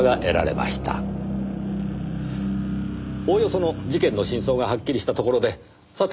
おおよその事件の真相がはっきりしたところでさて